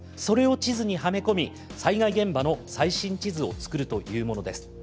それを地図にはめ込み災害現場の最新地図を作るというものです。